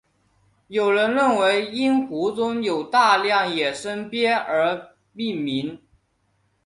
有人认为因湖中有大量野生鳖而命名。